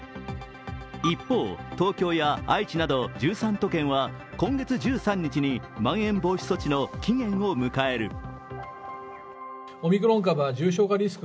一方、東京や愛知など１３都県は今月１３日にまん延防止措置の期限を迎える。